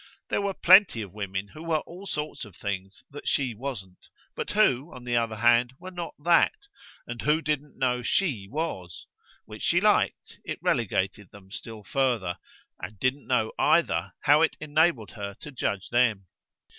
There were plenty of women who were all sorts of things that she wasn't, but who, on the other hand, were not that, and who didn't know SHE was (which she liked it relegated them still further) and didn't know either how it enabled her to judge them.